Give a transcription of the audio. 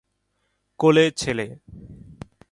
কোলে ছেলে।